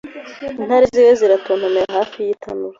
Intare ziwe ziratontomera Hafi yitanura